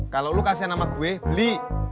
kalau lo kasih nama gue beli